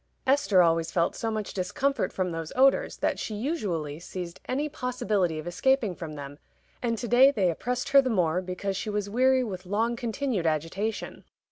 Esther always felt so much discomfort from those odors that she usually seized any possibility of escaping from them, and to day they oppressed her the more because she was weary with long continued agitation.